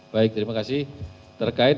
baik terima kasih terkait